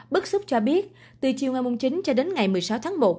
bức xúc cho biết từ chiều ngày chín cho đến ngày một mươi sáu tháng một